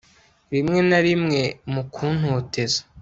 rimwe na rimwe, mu kuntoteza